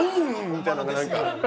みたいなのがなんか。